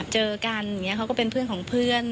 เจอกันอย่างนี้เขาก็เป็นเพื่อนของเพื่อน